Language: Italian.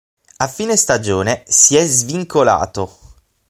A fine stagione, si è svincolato.